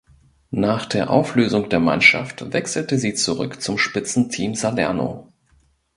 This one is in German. Nach der Auflösung der Mannschaft wechselte sie zurück zum Spitzenteam Salerno.